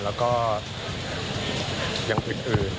แล้วก็อย่างอื่น